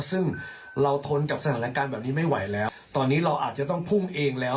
ซึ่งเราทนกับสถานการณ์แบบนี้ไม่ไหวแล้วตอนนี้เราอาจจะต้องพุ่งเองแล้ว